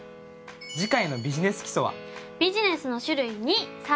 次回の「ビジネス基礎」は？